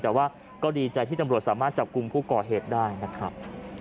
แต่ว่าก็ดีใจที่ตำรวจสามารถจับกลุ่มผู้ก่อเหตุได้นะครับ